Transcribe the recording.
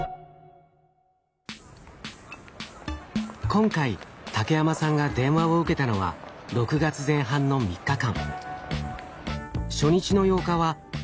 今回竹山さんが電話を受けたのは６月前半の３日間。